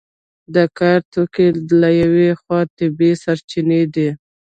د کار توکي له یوې خوا طبیعي سرچینې دي.